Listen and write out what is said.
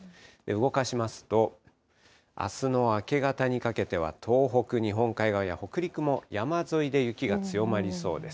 動かしますと、あすの明け方にかけては東北日本海側や北陸も山沿いで雪が強まりそうです。